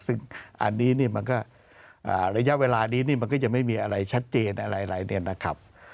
ซึ่งอันนี้มันก็ระยะเวลานี้นี่มันก็ยังไม่มีอะไรชัดเจนอะไรเนี่ยนะครับ